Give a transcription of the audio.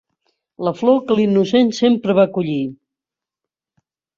La flor que l'innocent sempre va a collir.